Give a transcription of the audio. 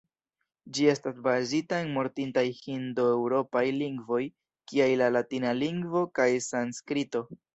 Ĝi estas bazita en mortintaj hindo-eŭropaj lingvoj kiaj la latina lingvo kaj sanskrito.